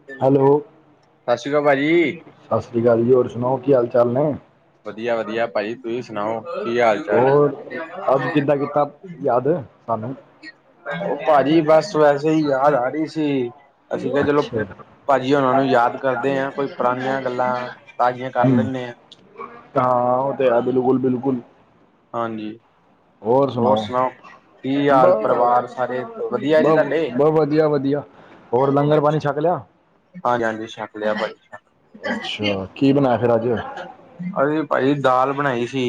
ਸਸ ਹੈਲੋ ਸ੍ਰੀ ਕਾਲ, ਭਾਜੀ। ਸਸ ਸ਼੍ਰੀ ਕਾਲ ਜੀ, ਹੋਰ ਸੁਣਾਓ? ਕੀ ਹਾਲ-ਚਾਲ ਨੇ? ਵਧੀਆ-ਵਧੀਆ ਭਾਜੀ। ਤੁਸੀਂ ਸੁਣਾਓ? ਕੀ ਹਾਲ-ਚਾਲ ਨੇ? ਹੋਰ ਅੱਜ ਕਿੱਦਾਂ ਕੀਤਾ ਯਾਦ ਸਾਨੂੰ ਓ ਭਾਜੀ, ਬਸ ਵੈਸੇ ਈ ਯਾਦ ਆ ਰਹੀ ਸੀ। ਅਸੀਂ ਕਿਹਾ ਚਲੋ ਅੱਛਾ। ਭਾਜੀ ਉਹਨਾਂ ਨੂੰ ਯਾਦ ਕਰਦੇ ਹਾਂ ਕੋਈ ਪੁਰਾਣੀਆਂ ਗੱਲਾਂ ਤਾਜ਼ੀਆਂ ਕਰ [inaudible] ਲੈਂਦੇ ਹਾਂ ਹਾਂ, ਓ ਤੇ ਹੈ, ਬਿਲਕੁਲ-ਬਿਲਕੁਲ। ਹਾਂਜੀ। ਹੋਰ ਸੁਣਾਓ? ਕੀ ਬ ਹਾਲ ਪਰਿਵਾਰ ਸਾਰੇ ਵਧੀਆ ਜੀ ਤੁਹਾਡੇ ਬ ਵਦੀਆ-ਵਦੀਆ। ਹੋਰ, ਲੰਗਰ ਪਾਣੀ ਛੱਕ ਲਿਆ? ਹਾਂਜੀ-ਹਾਂਜੀ, ਛੱਕ ਲਿਆ ਭਾਜੀ। ਅੱਛਾ, ਕੀ ਬਣਾਇਆ ਫੇਰ ਅੱਜ? ਅਸੀ ਵੀ ਭਾਜੀ ਦਾਲ ਬਣਾਈ ਸੀ।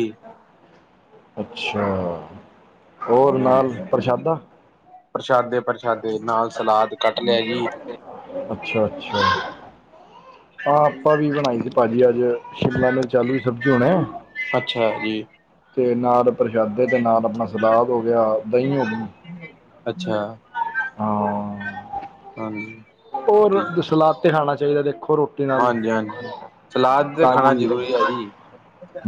ਅੱਛਾ, ਹੋਰ ਨਾਲ ਪ੍ਰਸ਼ਾਦਾ। ਪ੍ਰਸ਼ਾਦੇ-ਪ੍ਰਸ਼ਾਦੇ, ਨਾਲ ਸਲਾਦ ਕੱਟ ਲਿਆ ਜੀ। ਅੱਛਾ-ਅੱਛਾ ਹਾਂ, ਆਪਾਂ ਵੀ ਬਣਾਈ ਸੀ ਭਾਜੀ ਅੱਜ ਸ਼ਿਮਲਾ-ਮਿਰਚ, ਆਲੂ ਦੀ ਸਬਜ਼ੀ ਹੁਣੇ। ਅੱਛਾ ਜੀ ਤੇ ਨਾਲ ਪ੍ਰਸ਼ਾਦੇ ਤੇ ਨਾਲ ਆਪਣਾ ਸਲਾਦ ਹੋ ਗਿਆ, ਦਹੀਂ ਹੋਗੀ। ਅੱਛਾ। ਹਾਂ। ਹਾਂਜੀ। ਹੋਰ, ਸਲਾਦ ਤੇ ਖਾਣਾ ਚਾਈਦਾ, ਦੇਖੋ ਰੋਟੀ ਨਾਲ ਹਾਂਜੀ-ਹਾਂਜੀ, ਸਲਾਦ ਤੇ ਖਾਣਾ ਤਾਜ਼ੀ ਜ਼ਰੂਰੀ ਐ ਜੀ।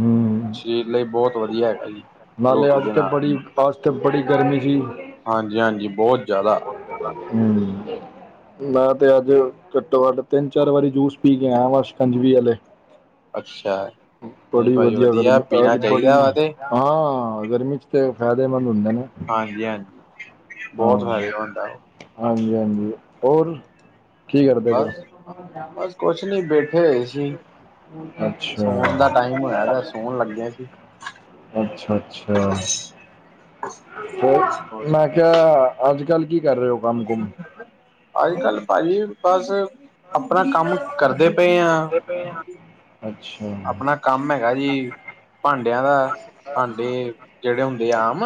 ਹੂੰ ਲਈ ਬੋਤ ਵਦੀਆ ਹੈਗਾ ਜੀ। ਨਾਲੇ ਰੋਟੀ ਅੱਜ ਦੇ ਤੇ ਨਾਲ ਬੜੀ ਫਾਸਟ, ਬੜੀ ਗਰਮੀ ਸੀ। ਹਾਂਜੀ-ਹਾਂਜੀ, ਬੋਤ ਜ਼ਿਆਦਾ। ਹੂੰ ਮੈਂ, ਤੇ ਅੱਜ, ਘੱਟੋ-ਘੱਟ ਤਿੰਨ-ਚਾਰ ਵਾਰੀ ਜੂਸ ਪੀ ਕੇ ਆਇਆ ਵਾ, ਸਿਕੰਜਵੀ ਵਾਲੇ। ਅੱਛਾ ਹੈ ਨਹੀਂ ਬੜੀ ਭਾਜੀ ਵਧੀਆ ਗਰਮੀ, ਪੀਣਾ ਅੱਜ ਬੜੀ ਚਾਹੀਦਾ ਵਾ ਤੇ ਹਾਂ, ਗਰਮੀ ਚ ਤੇ ਫੈਦੇਮੰਦ ਹੁੰਦੇ ਨੇ। ਹਾਂਜੀ-ਹਾਂਜੀ, ਬੋਤ ਫੈਦੇਮੰਦ ਆ ਓ। ਹਾਂਜੀ-ਹਾਂਜੀ, ਹੋਰ? ਬਸ-ਬਸ ਕੁਛ ਨੀ ਬੈਠੇ ਹੋਏ ਸੀ। ਸੋਣ ਅੱਛਾ ਦਾ ਟਾਈਮ, ਹੋਇਆ ਵਾ ਸੋਣ ਲੱਗੇ ਅਸੀ। ਅੱਛਾ-ਅੱਛਾ। ਮੈਂ ਕਿਆ ਅੱਜ-ਕੱਲ੍ਹ ਕੀ ਕਰ ਰਹੇ ਓ? ਅਜ-ਕੱਲ, ਭਾਜੀ ਬਸ ਆਪਣਾ ਕੰਮ ਕਰਦੇ ਪਏ ਆ। ਅੱਛਾ ਆਪਣਾ ਕੰਮ ਹੈਗਾ ਜੀ ਭਾਂਡਿਆਂ ਦਾ ਭਾਂਡੇ, ਜੇੜੇ ਹੁੰਦੇ ਆ ਆਮ।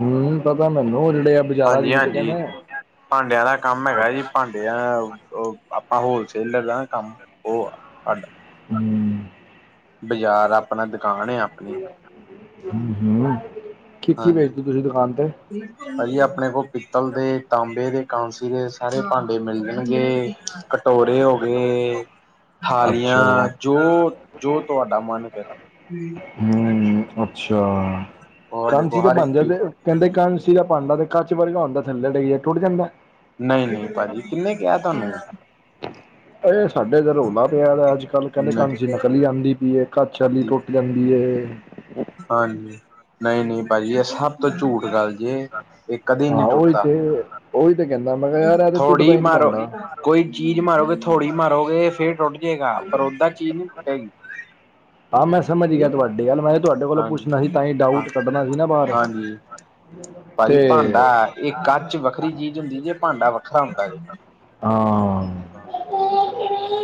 ਹੂੰ, ਪਤਾ ਮੈਨੂੰ ਓ ਜੇੜੇ ਆ ਬਾਜ਼ਾਰਾਂ ਚ ਵਿਕਦੇ ਹਾਂਜੀ-ਹਾਂਜੀ, ਨੇ ਭਾਂਡਿਆਂ ਦਾ ਕੰਮ ਹੈਗਾ ਜੀ, ਅੱਛਾ ਭਾਂਡੇ ਓ ਆਪਾਂ ਹੋਲਸੇਲਰ ਲੈ ਲਾਗੇ ਕੰਮ, ਓ ਅੱਡ ਹੂੰ। ਬਾਜ਼ਾਰ ਆਪਣਾ, ਦੁਕਾਨ ਐ ਆਪਣੀ। ਹੂੰ-ਹੂੰ, ਕੀ-ਕੀ ਹਾਂਜੀ ਵੇਚਦੇ ਓ ਤੁਸੀਂ ਦੁਕਾਨ ਤੇ। ਭਾਜੀ ਆਪਣੇ ਕੋਲ ਪਿੱਤਲ ਦੇ, ਤਾਂਬੇ ਦੇ, ਕਾਂਸੀ ਦੇ ਸਾਰੇ ਭਾਂਡੇ ਮਿਲ ਜਾਣਗੇ। ਕਟੋਰੇ ਹੋਗੇ। ਥਾਲੀਆਂ ਅੱਛਾ ਜੋ-ਜੋ ਤੁਆਡਾ ਮਨ ਕਰੇ। ਹੂੰ, ਅੱਛਾ ਤੁਹਾਡੇ ਕਾਂਸੀ ਕੋਲ ਦੇ ਹਰ ਇੱਕ ਬਣ ਦੇ ਚੀਜ਼ ਜੇ, ਕੈਦੇ ਕਾਂਸੀ ਦਾ ਭਾਂਡਾ ਤੇ ਕੱਚ ਵਰਗਾ ਹੁੰਦਾ, ਥੱਲੇ ਡਿੱਗ ਜੇ ਟੁੱਟ ਜਾਂਦੈ। ਨਈ-ਨਈ ਭਾਅ ਜੀ, ਕੀਨੇ ਕਿਆ ਤੁਆਨੂੰ? ਇਹ ਸਾਡੇ ਤੇ ਰੌਲਾ ਪਿਆ ਦਾ, ਅੱਜ-ਕੱਲ੍ਹ ਕਹਿੰਦੇ ਹਾਂਜੀ ਕਾਂਸੀ ਨਕਲੀ ਆਂਦੀ ਪੀ ਏ। ਕਾਚ ਆਲੀ ਟੁਟ ਲੰਬੀਏ। ਹਾਂਜੀ। ਨਹੀਂ-ਨਹੀਂ ਭਾਜੀ, ਇਹ ਸਭ ਤੋਂ ਝੂਠ ਗੱਲ ਜੇ ਇਹ ਕਦੇ ਨਹੀਂ ਟੁੱਟਦਾ। ਹੂੰ, ਉਹੀ ਤੇ ਕਹਿੰਦਾ ਮੈਂ ਕਿਹਾ ਯਾਰ ਇਹ ਤੇ ਟੁੱਟਦਾ ਥ੍ਹੋੜੀ ਹੀ ਨੀ ਮਾਰੋ ਭਾਂਡਾ ਕੋਈ ਚੀਜ਼ ਮਾਰੋਗੇ। ਥ੍ਹੋੜੀ ਮਾਰੋਗੇ, ਫੇਰ ਟੁੱਟ ਜੇਗਾ। ਪਰ ਓਦਾਂ ਚੀਜ਼ ਨੀ ਟੁੱਟੇਗੀ। ਆਹ ਮੈਂ ਸਮਝ ਗਿਆ ਤੁਵਾਡੀ ਗੱਲ। ਮੈਂ ਕਿਹਾ ਤੁਵਾਡੇ ਕੋਲੋਂ ਪੁੱਛਣਾ ਹੀ ਤਾਂ ਹੀ ਡਾਊਟ ਕੱਢਣਾ ਹੀ ਨਾ ਬਾਹਰ। ਹਮ। ਭਾਜੀ ਤੇ ਭਾਂਡਾ, ਇਹ ਕੱਚ ਵੱਖਰੀ ਚੀਜ਼ ਹੁੰਦੀ ਜੇ। ਭਾਂਡਾ ਵੱਖਰਾ ਹੁੰਦਾ ਦੇ। ਹਾਂ ਹਾਂ।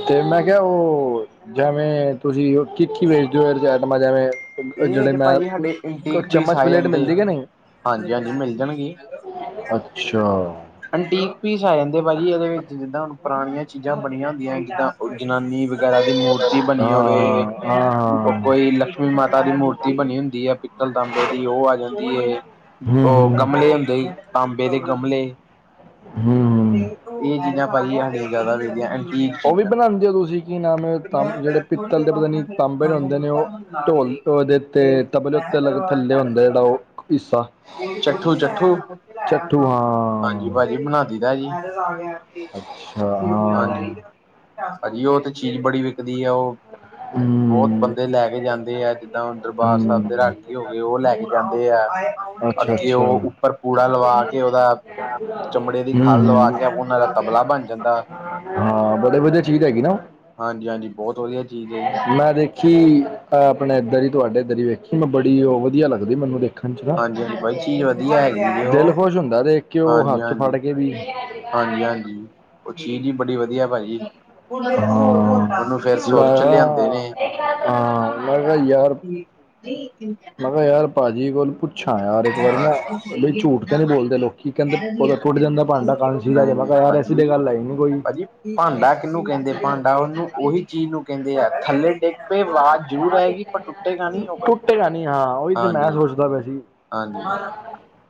ਤੇ ਮੈਂ ਕਿਹਾ, ਉਹ ਜਿਵੇਂ ਤੁਸੀਂ ਕਿੱਥੇ ਵੇਚਦੇ ਓ, ਇਹੋ ਜੀ ਐਟਮਾ ਜਿਵੇਂ ਇਹ ਜਿਹੜੇ ਜੇ ਮੈਂ ਭਾਜੀ ਸਾਡੇ ਕ ਇੰਟੀਕ ਪੀਸ ਆ ਚਮਚ-ਪਲੇਟ ਜਾਂਦੇ ਮਿਲਦੀ ਕੇ ਨਹੀਂ। ਹਾਂਜੀ ਹਾਂਜੀ ਮਿਲ ਜਾਣਗੇ ਅੱਛਾ। ਅੰਟੀਕ ਪੀਸ ਆ ਜਾਂਦੇ ਭਾਜੀ ਇਹਦੇ ਵਿੱਚ, ਜਿੱਦਾਂ ਹੁਣ ਪੁਰਾਣੀਆਂ ਚੀਜ਼ਾਂ ਬਣੀਆਂ ਹੁੰਦੀਆਂ। ਜਿੱਦਾਂ ਕੋਈ ਜ਼ਨਾਨੀ ਵਗੈਰਾ ਦੀ ਮੂਰਤੀ ਬਣੀ ਹੋਵੇ। ਹਾਂ ਹਾਂ ਕੋਈ ਲਕਸ਼ਮੀ ਮਾ ਤਾ ਦੀ ਮੂਰਤੀ ਬਣੀ ਹੁੰਦੀ ਆ, ਪਿੱਤਲ ਤਾਂਬੇ ਦੀ, ਉਹ ਆ ਜਾਂਦੀ ਏ। ਉਹ ਗਮਲੇ ਹੁੰਦੇ ਹਨ, ਤਾਂਬੇ ਦੇ ਗਮਲੇ। ਹੂੰ। ਇਹ ਚੀਜ਼ਾਂ ਭਾਜੀ ਹਾਡੀਆ ਜ਼ਿਆਦਾ ਵਿਕਦੀਆਂ। ਐਨ ਤੇ ਇਹ ਉਹ ਵੀ ਚੀਜ਼ਾਂ। ਬਣਾਉਂਦੇ ਹੋ ਤੁਸੀਂ ਕੀ ਨਾਮ ਹੈ ਜਿਹੜੇ ਪਿੱਤਲ ਦੇ ਪਤਾ ਨੀ ਤਾਂਬੇ ਦੇ ਹੁੰਦੇ ਨੇ ਉਹ ਢੋਲ ਉਹਦੇ ਉੱਤੇ ਤਬਲੇ ਉੱਤੇ ਥੱਲੇ ਹੁੰਦਾ ਜਿਹੜਾ ਉਹ ਹਿੱਸਾ ਚੱਠੂ-ਚੱਠੂ। ਚੱਠੂ ਹਾਂਜੀ, ਹਾਂ ਭਾਜੀ ਬਣਾਦੀਦਾ ਜੀ। ਹਾਂਜੀ-ਹਾਂਜੀ, ਅੱਛਾ ਹਾਂ ਉਹ ਤੇ ਚੀਜ਼ ਬੜੀ ਵਿਕਦੀ ਆ। ਉਹ ਹਮ। ਬਹੁਤ ਬੰਦੇ ਲੈ ਕੇ ਜਾਂਦੇ ਆ। ਜਿੱਦਾ ਹੁਣ ਦਰਬਾਰ ਸਾਹਿਬ ਦੇ ਹੂੰ ਰਾਗੀ ਹੋਗੇ, ਉਹ ਲੈ ਕੇ ਜਾਂਦੇ ਆ। ਅੱਛਾ ਅੱਗੇਉ ਅੱਛਾ ਉੱਪਰ ਪੂਰਾ ਲਵਾ ਕੇ ਉਹਦਾ ਚਮੜੇ ਦੀ [inaudible] ਖਲ ਲਵਾ ਕੇ ਉਹਨਾਂ ਦਾ ਤਬਲਾ ਬਣ ਜਾਂਦਾ। ਹਾਂ ਬੜੇ ਵਧੀਆ ਚੀਜ਼ ਹੈਗੀ ਨਾ ਉਹ। ਹਾਂਜੀ-ਹਾਂਜੀ, ਬਹੁਤ ਵਧੀਆ। ਚੀਜ਼ ਹੈ ਜੀ ਮੈਂ ਦੇਖੀ ਅ ਆਪਣੇ ਇਧਰ ਈ ਤੁਹਾਡੇ ਇਧਰ ਵੇਖੀ। ਮੈਂ ਬੜੀ ਉਹ ਵਧੀਆ ਲੱਗਦੀ ਮੈਨੂੰ। ਦੇਖੀ ਹਾਂਜੀ-ਹਾਂਜੀ, ਬਾਈ ਚੀਜ਼ ਵਧੀਆ ਹੈਗੀ ਦਿਲ ਉਹ, ਖੁਸ਼ ਹੁੰਦਾ ਦੇਖ ਕੇ ਉਹ ਹੱਥ ਚ ਫੜ ਹਾਂਜੀ-ਹਾਂਜੀ। ਕੇ ਵੀ ਹਾਂਜੀ-ਹਾਂਜੀ, ਉਹ ਚੀਜ਼ ਜੀ ਬੜੀ ਵਧੀਆ, ਭਾਜੀ। ਹਾਂ ਉਹਨੂੰ ਫੇਰ ਸੁਰ ਮੈਂ 'ਚ ਲਿਆਂਦੇ ਨੇ। ਕਿਹਾ ਹਾਂ, ਮੈਂ ਕਿਹਾ ਯਾਰ ਠੀਕ ਨਹੀਂ ਕਿ ਮੈਂ ਕਿਹਾ ਯਾਰ ਭਾਜੀ [unintelligible] ਅੱਛਾ ਯਾਰ, ਇੱਕ ਵਾਰੀ ਨਾ ਬਈ ਝੂਠ ਤਾਂ ਨੀ ਬੋਲਦੇ ਲੋਕੀ। ਕਹਿੰਦੇ ਪੇ ਟੁੱਟ ਜਾਂਦਾ ਭਾਂਡਾ ਕਾਂਸੀ ਦਾ ਤੇ ਮੈਂ ਨਹੀਂ-ਨਹੀਂ ਕਿਹਾ ਯਾਰ ਭਾਜੀ ਤੁਡੇ ਗੱਲ ਆਈ ਨੀ ਕੋਈ ਭਾਜੀ ਭਾਂਡਾ ਕਿਹਨੂੰ ਕਹਿੰਦੇ। ਭਾਂਡਾ ਉਹਨੂੰ, ਉਹੀ ਚੀਜ਼ ਨੂੰ ਕਹਿੰਦੇ ਆ। ਥੱਲੇ ਇੱਕ ਵਾਜ਼ ਜ਼ਰੂਰ ਆਏਗੀ, ਪਰ ਟੁੱਟੇਗਾ ਨੀ ਉਹ ਕਦੀ। ਟੁੱਟੇਗਾ ਨਹੀਂ ਹਾਂ ਉਹੀ ਤੇ ਹਾਂਜੀ, ਮੈਂ ਹਾਂ ਸੋਚਦਾ ਪਿਆ ਸੀ। ਹਾਂਜੀ।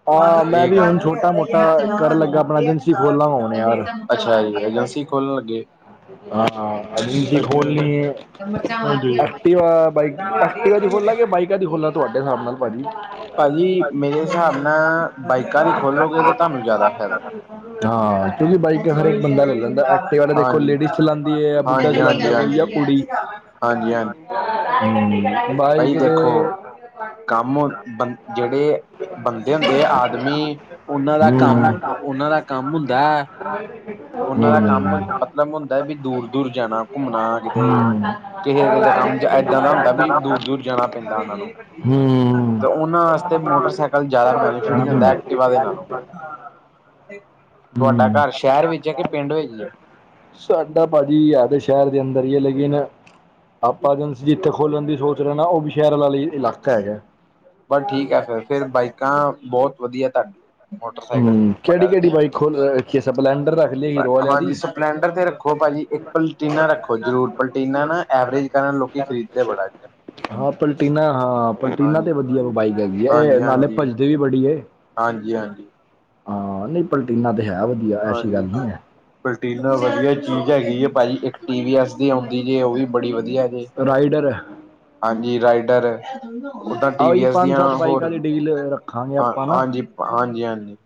ਹਾਂ ਇਹ ਮੈਂ ਵੀ ਗੱਲ ਹੁਣ ਛੋਟਾ ਮੋਟਾ ਕਰਨ ਲੱਗਾ ਆਪਣਾ ਏਜੰਸੀ ਖੋਲਣਾ ਹੁਣ ਯਾਰ। [unintelligible] ਅੱਛਾ ਜੀ, ਏਜੰਸੀ ਖੋਲਣ ਲੱਗੇ। ਹਾਂ, ਏਜੰਸੀ ਖੋਲਣੀ ਏ। ਐਕਟੀਵਾ ਬਾਈਕ ਐਕਟੀਵਾ ਦੀ ਖੁਲ ਆ ਕੇ ਬਾਈਕਾਂ ਚ ਖੁੱਲ ਆ ਤੁਹਾਡੇ ਹਿਸਾਬ ਨਾਲ? ਭਾਜੀ ਭਾਜੀ ਮੇਰੇ ਹਿਸਾਬ ਨਾਲ ਬਾਈਕਾਂ ਦੀ ਖੋਲੋਗੇ ਤੇ ਤੁਹਾਨੂੰ ਜ਼ਿਆਦਾ ਫਾਇਦਾ [unintelligible] ਹਾਂ ਕਿਉਂਕਿ ਬਾਈਕ ਹਰ ਇੱਕ ਬੰਦਾ ਲੈ ਲੈਂਦਾ ਐਕਟਿਵ ਵਾਲਾ ਦੇ ਕੋਈ ਹਾਂਜੀ ਲੇਡੀਜ਼ ਚਲਾਦੀ ਹੈ, ਜਾਂ ਬੁੱਢਾ ਹਾਂਜੀ ਹਾਂਜੀ ਚਲਾਂਦਾ ਕੋਈ ਆ ਹਾਂਜੀ ਕੁੜੀ? ਹਾਂਜੀ ਹਾਂਜੀ ਭਾਜੀ ਬਾਈਕ ਦੇਖੋ ਤੇ ਕੰਮ ਬੰ ਜਿਹੜੇ ਬੰਦੇ ਹੁੰਦੇ ਆਦਮੀ [unintelligible] ਉਹਨਾਂ ਦਾ ਕੰਮ ਹੂੰ। ਉਹਨਾਂ ਦਾ ਕੰਮ ਹੁੰਦਾ, ਉਹਨਾਂ ਦਾ ਕੰਮ ਹੂੰ ਮਤਲਬ ਹੁੰ ਵੀ ਦੂਰ-ਦੂਰ ਜਾਣਾ ਘੁੰਮਣਾ ਕਿਤੇ ਕਿਸੇ-ਕਿਸੇ ਦਾ ਕੰਮ ਜਾਂ ਏਦਾਂ ਦਾ ਹੁੰਦਾ ਵੀ ਦੂਰ ਦੂਰ ਜਾਣਾ ਪੈਂਦਾ, ਉਹਨਾਂ ਨੂੰ ਤੇ ਉਹਨਾਂ ਵਾਸਤੇ ਮੋਟਰਸਾਈਕਲ ਜ਼ਿਆਦਾ ਬੈਨੀਫਿਟ ਦਿੰਦਾ ਐਕਟਿਵਾ ਦੇ ਨਾਲੋਂ ਤੁਹਾਡਾ ਘਰ ਸ਼ਹਿਰ ਵਿੱਚ ਹੈ, ਕਿ ਪਿੰਡ ਵਿੱਚ ਹੈ। ਸਾਡਾ ਭਾਜੀ ਹੈ, ਤੇ ਸ਼ਹਿਰ ਦੇ ਅੰਦਰ ਹੀ ਹੈ ਲੇਕਿਨ ਆਪਾਂ ਏਜੰਸੀ ਇਥੇ ਖੋਲਣ ਦੀ ਸੋਚ ਉਹ ਵੀ ਸ਼ਹਿਰ ਵਾਲੇ ਇਲਾਕਾ ਹੈਗਾ ਬਸ ਠੀਕ ਹੈ, ਫਿਰ-ਫਿਰ ਬਾਈਕਾਂ ਬਹੁਤ ਵਧੀਆ ਤੁਹਾਡੇ ਮੋਟਰਸਾਈਕਲ ਹੂੰ ਜਿਹਨੂੰ ਆਪਾਂ ਕਿਹੜੀ ਕਹਿ ਕਿਹੜੀ ਦਿੰਨੇ ਬਾਈਕ ਖੋਲ ਰੱਖੀ ਹੈ ਸਪਲੈਂਡਰ ਰੱਖ ਲਈ ਹਾਂ, ਹੀਰੋ ਵਾਲਿਆਂ ਹਾਂਜੀ ਦੀ ਸਪਲੈਂਡਰ ਤੇ ਰੱਖੋ ਭਾਜੀ। ਇੱਕ ਪਲਟੀਨਾ ਰੱਖੋ ਜੋ ਪਲਟੀਨਾ ਨਾ ਐਵਰੇਜ ਕਰਨ ਲੋਕ ਖਰੀਦਦੇ ਬੜਾ ਜੀ। ਹਾਂ ਪਲਟੀਨਾ ਹਾਂ ਪਲਟੀਨਾ ਹਾਂਜੀ ਤੇ ਵਧੀਆ ਬਾਈਕ ਹੈਗੀ ਹੈ ਏ ਇਹ ਨਾਲੇ ਭੱਜਦੀ ਵੀ ਬੜੀ ਏ ਹਾਂਜੀ-ਹਾਂਜੀ, ਹਾਂ ਨਹੀਂ ਪਲਟੀਨਾ ਤੇ ਹੈ ਵ ਹਾਂਜੀ ਪਲਟੀਨਾ ਵਧੀਆ ਚੀਜ਼ ਹੈਗੀ ਹੈ ਏ ਭਾਜੀ ਇੱਕ ਟੀ ਵੀ ਐੱਸ ਦੀ ਜੇ ਉਹ ਵੀ ਬੜੀ ਵਧੀਆ ਜੇ ਰਾਈਡਰ ਹੈ। ਹਾਂਜੀ, ਰਾਈਡਰ ਉਦਾਂ ਟੀ ਵੀ ਆਹੀ ਐਸ ਪੰਜ ਦੀਆਂ ਸੱਤ ਬਾਈਕਾਂ ਹੋਰ, ਦੀ ਡੀਲ ਰੱਖਾਂਗੇ ਆਪਾਂ ਨਾ ਹਾਂਜੀ-ਹਾਂਜੀ-ਹਾਂਜੀ।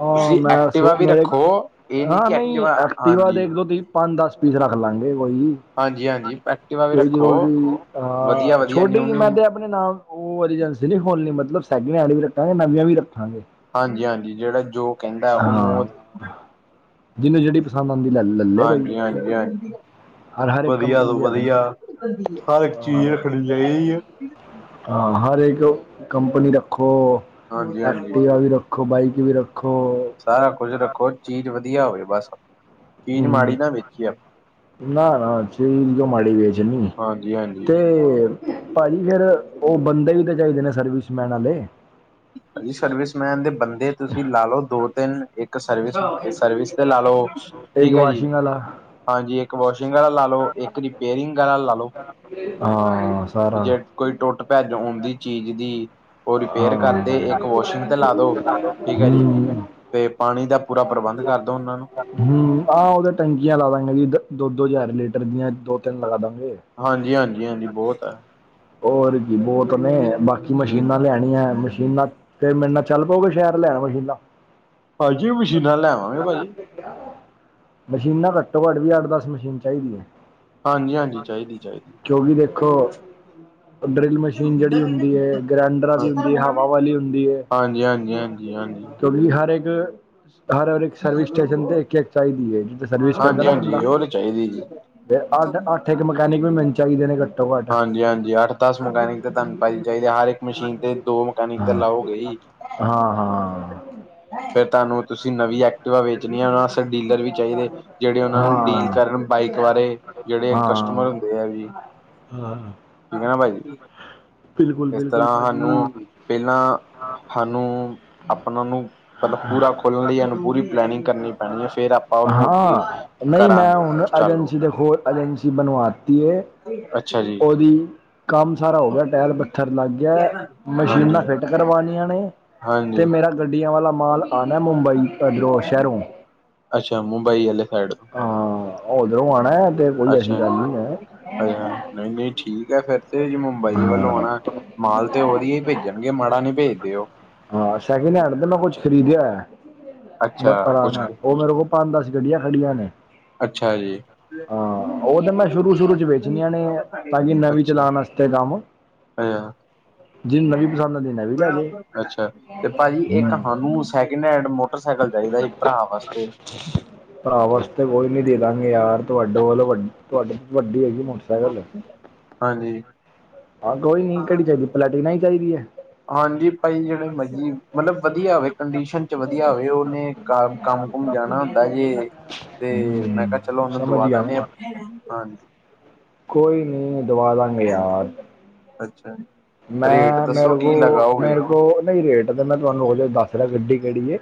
ਹਾਂ ਮੈਂ ਸੋ ਐਕਟੀਵਾ ਵੀ ਮੇਰੇ ਰੱਖੋ, ਇਹ ਨੀ ਹਾਂ ਕਿ ਨਹੀਂ ਐਕਟੀਵਾ ਐਕਟੀਵਾ ਹਾਂਜੀ। ਦੇਖ ਲੋ ਤੁਸੀਂ ਪੰਜ ਦਸ ਪੀਸ ਰੱਖ ਲਾਂਗੇ ਕੋਈ ਨੀ ਹਾਂਜੀ ਹਾਂਜੀ ਐਕਟਿਵਾ [unintelligible] ਵੀ ਰੱਖੋ ਵਧੀਆ ਹਾਂ ਵਧੀਆ ਛੋਡੀ ਨਿਊ ਜੀ ਨਿਊ ਮੈਂ ਤੇ ਆਪਣੇ ਨਾਲ ਉਹ ਏਜਸੀ ਨੀ ਖੋਲਣੀ ਮਤਲਬ ਸੈਕਿੰਡ ਹੈਂਡ ਵੀ ਰੱਖਾਂਗੇ, ਨਵੀ ਵੀ ਰੱਖਾਂਗੇ। ਹਾਂਜੀ'ਹਾਂਜੀ, ਜਿਹੜਾ ਜੋ ਕਹਿੰਦਾ ਹਾਂ ਉਹਨੂੰ ਜਿਹਨੂੰ ਜਿਹੜੀ ਪਸੰਦ ਆਦੀ ਲੈ ਲਏ ਬਈ ਹਾਂਜੀ ਹਾਂਜੀ ਹਾਂਜੀ ਵਧੀਆ ਤੋਂ ਵਧੀਆ ਹਰ ਇੱਕ ਚੀਜ਼ ਰੱਖਣੀ ਚਾਹੀਦੀ ਆ। ਹਾਂ ਇਕ ਹਰ ਕੰਪਨੀ ਰੱਖੋ, ਹਾਂਜੀ ਹਾਂਜੀ ਐਕਟੀਵਾ ਵੀ ਰੱਖੋ। ਰੱਖੋ ਬਾਈਕ ਵੀ ਰੱਖੋ। ਸਾਰਾ ਕੁਝ ਰੱਖੋ ਚੀਜ਼ ਵਧੀਆ ਹੋਵੇ, ਬਸ ਆਪਣੀ ਚੀਜ਼ ਮਾੜੀ ਨਾ ਵੇਚੀ ਆ। ਨਾ-ਨਾ ਚੀਜ ਮਾੜੀ ਕਿਓ ਮਾੜੀ ਵੇਚਣੀ ਹਾਂਜੀ-ਹਾਂਜੀ, ਤੇ ਭਾਜੀ ਫੇਰ ਉਹ ਬੰਦੇ ਵੀ ਤਾਂ ਚਾਹੀਦੇ ਨੇ ਸਰਵਿਸ ਮੈਨਾਂ ਦੇ ਸਰਵਿਸਮੈਨ ਦੇ ਬੰਦੇ ਤੁਸੀਂ ਲਾ ਲਓ ਦੋ ਤਿੰਨ ਇੱਕ ਸਰਵਿਸ ਸਰਵਿਸ ਤੇ ਲਾ ਲਓ। ਇੱਕ ਠੀਕ ਹੈ ਜੀ ਵਾਸ਼ਿੰਗ ਆਲਾ ਹਾਂਜੀ ਇੱਕ ਵਾਸ਼ਿੰਗ ਵਾਲਾ ਲਾ ਲੋ ਇੱਕ ਰਿਪੇਅਰਿੰਗ ਵਾਲਾ ਲਾ ਲੋ ਹਾਂ ਸਾਰਾ ਕੋਈ ਟੁੱਟ ਭੱਜ ਹੁੰਦੀ ਚੀਜ਼ ਦੀ ਉਹ ਰਿਪੇਅਰ ਕਰ ਹਾਂ ਤੇ ਇੱਕ ਵਾਸ਼ਿੰਗ ਤੇ ਲਾ ਦੋ ਠੀਕ ਹੈ ਜੀ ਹੂੰ ਤੇ ਪਾਣੀ ਦਾ ਪੂਰਾ ਪ੍ਰਬੰਧ ਕਰ ਦੋ ਉਹਨਾਂ ਨੂੰ ਹੂੰ ਆਹ ਉਹਦੇ ਟੈਂਕੀਆਂ ਲਾ ਦਾਂਗੇ ਜੀ ਦੋ ਦੋ ਹਜ਼ਾਰ ਲੀਟਰ ਦੀਆਂ ਦੋ ਤਿੰਨ ਲਗਾ ਦਵਾਂਗੇ ਹਾਂਜੀ ਹਾਂਜੀ ਹਾਂਜੀ ਬਹੁਤ ਹੈ ਹੋਰ ਕੀ ਬਹੁਤ ਨੇ ਬਾਕੀ ਹੂੰ ਮਸ਼ੀਨਾਂ ਲਿਆਣ ਨੀ ਐ ਮਸ਼ੀਨਾਂ ਤੇ ਮੇਰੇ ਨਾਲ ਚੱਲ ਪਉਗੇ ਸ਼ੈਰ ਲੈਣ ਮਸ਼ੀਨਾਂ? ਹਾਂਜੀ, ਮਸ਼ੀਨਾਂ ਲੈ ਆਵਾਂਗੇ ਪਾਜੀ। ਮਸ਼ੀਨਾਂ ਘੱਟੋ ਘੱਟ ਵੀ ਅੱਠ-ਦੱਸ ਮਸ਼ੀਨ ਚਾਈਦੀਏ। ਹਾਂਜੀ-ਹਾਂਜੀ, ਚਾਈਦੀ-ਚਾਈਦੀ। ਜੋ ਵੀ ਦੇਖੋ ਡਰਿਲ ਮਸ਼ੀਨ ਜੇੜੀ ਹੁੰਦੀਏ, ਗ੍ਰੈਂਡਰਾਂ ਦੀ ਹੁੰਦੀਏ, ਹਵਾ ਵਾਲੀ ਹੁੰਦੀਏ। ਹਾਂਜੀ-ਹਾਂਜੀ-ਹਾਂਜੀ-ਹਾਂਜੀ ਕਿਉਂਕਿ ਹਰ ਏਕ ਹਰ ਇੱਕ ਸਰਵਿਸ ਸਟੇਸ਼ਨ ਤੇ ਇੱਕ-ਇੱਕ ਚਾਈਦੀ ਏ, ਜਿੱਥੇ ਸਰਵਿਸ ਕਰਦਾ ਨਾ‌ ਬੰਦਾ। ਹਾਂਜੀ-ਹਾਂਜੀ ਉਹ ਨੀ ਚਾਈਦੀ ਜੀ। ਫੇਰ ਅੱਠ-ਅੱਠ ਏਕ ਮਕੈਨਿਕ ਵੀ ਮਿਲ ਹਾਂਜੀ-ਹਾਂਜੀ ਅੱਠ-ਦਸ ਮਕੈਨਿਕ ਤੇ ਤੁਆਨੂੰ ਪਾਜੀ ਚਾਈਦੇ, ਹਰ ਮਸ਼ੀਨ ਤੇ ਦੋ ਮਕੈਨਿਕ ਤਾਂ ਹਾਂ ਲਾਓ ਗੇਈ। ਹਾਂ ਹਾਂ ਫੇਰ ਤਾਨੂੰ ਤੁਸੀਂ ਨਵੀਂ ਐਕਟਿਵਾ ਵੇਚਣੀ ਆ, ਓਨਾ ਵਾਸਤੇ ਡੀਲਰ ਵੀ ਚਾਈਦੇ ਜੇੜੇ ਓਨਾਂ ਨੂੰ ਡੀਲ ਹਾਂ ਕਰਨ ਬਾਈਕ ਬਾਰੇ ਜੇੜੇ ਕਸਟਮਰ ਹੁੰਦੇ ਆ ਵੀ। ਹਾ। ਠੀਕੈ ਨਾ ਬਾਈ, ਇਸ ਬਿਲਕੁਲ ਤਰ੍ਹਾਂ ਭਾਜੀ ਹਾਨੂੰ ਪੈਲਾਂ ਹਾਨੂੰ ਅਪਨਾ ਨੂੰ ਮਤਲਬ ਪੂਰਾ ਖੋਲਣ ਲਈ ਏਨੂੰ ਪੂਰੀ ਪਲੈਨਿੰਗ ਕਰਨੀ ਪੈਣੀਏ, ਫੇਰ ਆਪ ਹਾਂ, ਨਈ ਮੈਂ ਹੁਨ ਚਾਲੂ ਅਜੰਸੀ ਦੇ ਕੋਲ ਅਜੰਸੀ ਬਣਵਾਤੀਏ। ਅੱਛਾ ਜੀ। ਕੰਮ ਸਾਰਾ ਹੋ ਗਯਾ, ਟੈਲ ਪੱਥਰ ਲੱਗ ਗਿਆਂ, ਮਸ਼ੀਨਾਂ ਹਾਂਜੀ ਫਿੱਟ ਕਰਵਾਉਣੀਆਂ ਨੇ। ਹਾਂਜੀ ਤੇ ਮੇਰਾ ਗੱਡੀਆਂ ਵਾਲਾ ਮਾਲ ਆਣਾ ਏ ਮੁੰਬਈ ਇੱਧਰੋਂ ਸ਼ਹਿਰੋਂ ਅੱਛਾ, ਮੁੰਬਈ ਆਲੇ ਸਾਈਡ ਹਾਂ, ਓਦਰੋਂ ਆਣਾ ਤੇ ਕੋਈ ਐਸੀ ਗੱਲ ਨਈ ਐ। ਅ ਨਈ-ਨਈ ਠੀਕੈ ਫੇਰ। ਤੇ ਜੀ ਮੁੰਬਈ ਵੱਲੋਂ ਹਾਂ ਆਣਾ, ਮਾਲ ਤੇ ਵਧੀਆ ਈ ਭੇਜਣਗੇ ਮਾੜਾ ਨੀ ਪੇਜਦੇ ਓ। ਹਾਂ ਸੈਕਿੰਡ ਹੈਂਡ ਤੇ ਮੈਂ ਕੁਛ ਖਰੀਦਿਆ ਹੋਯਾ ਅੱਛਾ ਕੁਛ [unintelligible] ਓ ਮੇਰੇ ਕੋਲ ਪੰਜ-ਦੱਸ ਗੱਡੀਆਂ ਖੜੀਆਂ ਨੇ। ਅੱਛਾ ਜੀ। ਹਾਂ, ਓ ਤਾਂ ਮੈਂ ਸ਼ੁਰੂ-ਸ਼ੁਰੂ‌ ਚ ਵੇਚਣੀਆਂ ਨੇ ਤਾਂ ਕਿ ਨਵੀਂ ਅੱਛਾ ਚਲਾਣ ਆਸਤੇ ਕੰਮ ਅੱਛਾ। ਜਿਨੂੰ ਨਵੀਂ ਪਸੰਦ ਨਵੀ ਲੈਜੇ। ਅੱਛਾ ਤੇ ਪਾਜੀ, ਇੱਕ ਸਾਨੂੰ ਸੈਕਿੰਡ ਹੈਂਡ ਮੋਟਰਸਾਈਕਲ ਚਾਈਦਾ ਸੀ ਪਰਾ ਵਾਸਤੇ। ਪਰਾ ਵਾਸਤੇ ਕੋਈ ਨੀ ਦੇ ਦਾਂਗੇ ਯਾਰ ਤੁਆਡੇ ਵੱਲ ਵੱ ਤੁਆਡੇ ਤੋ ਵੱਡੀ ਹੈਗੀ ਮੋਟਰ ਸੈਕਲ। ਹਾਂਜੀ। ਹਾਂ ਕੋਈ ਨੀ ਕੇੜੀ ਚਾਈਦੀ, ਪਲੈਟੀਨਾ ਹੀ ਚਾਈਦੀ ਐ? ਹਾਂਜੀ, ਪਾਈ ਜੇੜੇ ਮਰਜੀ ਮਤਲਬ ਵਦੀਆ ਹੋਵੇ ਕੰਡੀਸ਼ਨ ਚ ਵਧੀਆ ਹੋਵੇ, ਓਨੇ ਕੰਮ-ਕੁਮ ਜਾਣਾ ਹੁੰਦਾ ਜੇ। ਤੇ ਮੈਂ ਹੂੰ ਕੇਆ ਚਲੋ ਓਨੂੰ ਸਮਝ ਦਵਾ ਗਿਆ ਦਿੰਨੇ ਆਂ ਮੈਂ ਹਾਂਜੀ। ਕੋਈ ਨੀਂ ਦਵਾ ਦਾਂਗੇ ਯਾਰ। ਅੱਛਾ ਜੀ। ਮੈ ਮੇਰੇ ਕੋਲ ਮੇਰੇ ਕੋਲ ਓਨੇ ਰੇਟ ਤੇ ਮੈ ਤੁਆਨੂੰ ਓ ਜੇਈ ਦੱਸ ਰੇਆ ਗੱਡੀ ਕੇੜੀ ਏ।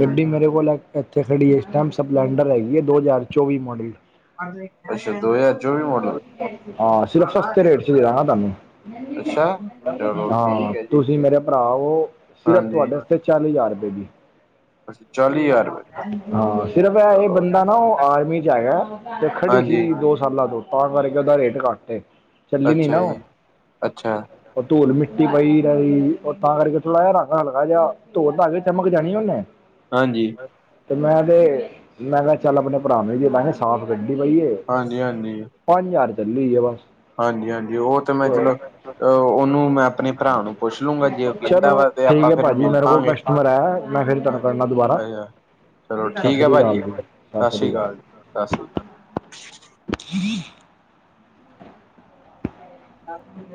ਗੱਡੀ ਮੇਰੇ ਕੋਲ ਇਥੇ ਏਥੇ ਖੜੀ ਐ ਏਸ ਟੈਮ ਸਪਲੈਡਰ ਹੈਗੀਏ ਦੋ ਹਜ਼ਾਰ ਚੋਵੀ ਮਾਡਲ। ਹਾਂਜੀ ਅੱਛਾ ਦੋ ਹਜ਼ਾਰ ਚੌਵੀ ਮੋਡਲ ਹਾਂ, ਸਿਰਫ ਸਸਤੇ ਰੇਟ 'ਚ ਦੇਣਾ ਤਾਨੂੰ। ਅੱਛਾ। ਚਲੋ ਹਾਂ, ਠੀਕ ਹੈ ਜੀ ਤੁਸੀ ਮੇਰੇ ਪਰਾ ਓ ਸਿਰਫ ਹਾਂਜੀ ਤੁਆਡੇ ਆਸਤੇ ਚਾਲੀ ਹਜਾਰ ਰਪਏ ਦੀ। ਅ ਚਾਲੀ ਜਾਰ। ਹਾਂ, ਸਿਰਫ ਐਏ ਬੰਦਾ ਨਾ ਓ ਆਰਮੀ 'ਚ ਹੈਗਾ ਤੇ, ਖੜੀ ਹਾਂਜੀ ਸੀ ਦੋਸਤ ਸਾਲਾ ਤੋਂ ਤਾਂ ਕਰਕੇ ਓਦਾ ਰੇਟ ਕੱਟ ਏ। ਅੱਛਾ ਜੀ, ਅੱਛਾ। ਓ ਤੁਲ-ਮਿੱਟੀ ਪਈ ਰਹੀ ਓਤਾਂ ਕਰਕੇ ਥੋੜਾ ਜਾ ਰੰਗ ਹਲਕਾ ਜੇਆ ਓ ਧੋ-ਧਾ ਕੇ ਚਮਕ ਜਾਣੀ ਓਨੇ। ਹਾਂਜੀ। ਮੈ ਤੇ ਮੈ ਤੇ ਚਲ ਅਪਨੇ ਪਰਾ ਨੂੰ ਦਿਖਾਵਾਂ ਸਾਫ ਗਢੀ ਪਈਏ। ਹਾਂਜੀ-ਹਾਂਜੀ। ਪੰਜ ਜਾਰ ਚਲੀ ਹੋਈ ਏ ਬਸ। ਹਾਂਜੀ-ਹਾਂਜੀ ਓ ਤੇ ਮੈ ਚਲੋ ਓਨੂੰ ਮੈ ਅਪਨੇ ਪਰਾ ਨੂੰ ਪੁੱਛ ਲਾਗਾਂ ਜੇ ਓ ਕੈਂਦਾ ਵਾ ਤੇ ਆਪਾ ਫਿਰ ਮਿਲ ਪਾਗੇ। ਅਗਰ ਐ, ਮੈ ਫੇਰ ਕਰਦਾ ਤੁਆਨੁ ਦੁਬਾਰਾ। ਚਲੋ ਸਤਿ ਠੀਕੈ ਸ੍ਰੀ ਪਾਜੀ, ਅਕਾਲ ਜੀ ਸਤਿ ਸ਼੍ਰੀ ਸ੍ਰੀ ਅਕਾਲ ਜੀ ਸਤਿ ਸ੍ਰੀ ਅਕਾਲ।